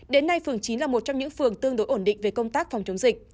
đến nay phường chín là một trong những phường tương đối ổn định về công tác phòng chống dịch